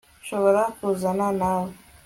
Nshobora kuzana nawe